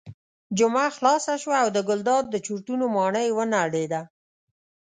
جمعه خلاصه شوه او د ګلداد د چورتونو ماڼۍ ونړېده.